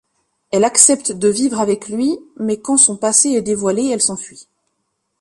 Elle accepte de vivre avec lui, mais quand son passé est dévoilé, elle s'enfuit.